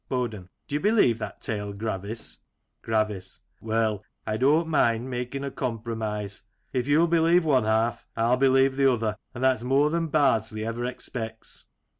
BoDEN : Do you believe that tale. Gravis ? Gravis: Well, I don't mind making a compromise: If youll believe one half. 111 believe the other, and that's more than Bardsley ever expects.